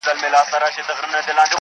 زمري وویل خوږې کوې خبري-